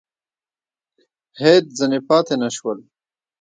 هېڅ ځني پاته نه شول !